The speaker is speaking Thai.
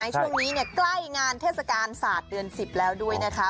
ช่วงนี้ใกล้งานเทศกาลศาสตร์เดือน๑๐แล้วด้วยนะคะ